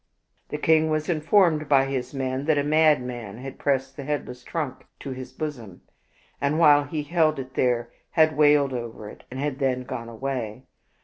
The king was informed by his men that a madman had pressed the headless trunk to his bosom, and while he held it there had wailed over it, and had then gone away.